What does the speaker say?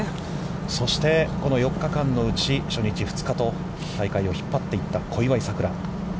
そして、この４日間のうち初日、２日と、大会を引っ張っていった小祝さくら。